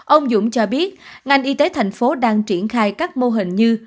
ông dũng cho biết ngành y tế thành phố đang triển khai các mô hình như